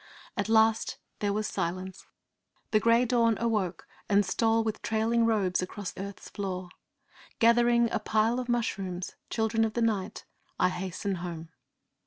At last there was silence. The grey dawn awoke and stole with trailing robes across earth's floor. Gathering a pile of mushrooms children of the night I hasten home.'